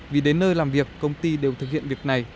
vì đến nơi làm việc công ty đều thực hiện việc này